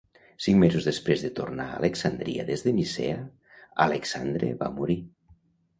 Cinc mesos després de tornar a Alexandria des de Nicea, Alexandre va morir.